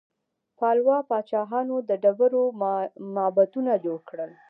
پالوا پاچاهانو د ډبرو معبدونه جوړ کړل.